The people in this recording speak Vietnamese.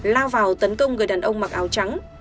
lao vào tấn công người đàn ông mặc áo trắng